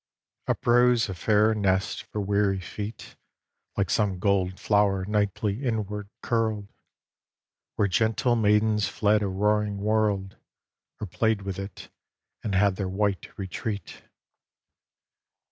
IX Uprose a fairer nest for weary feet, Like some gold flower nightly inward curled, Where gentle maidens fled a roaring world, Or played with it, and had their white retreat.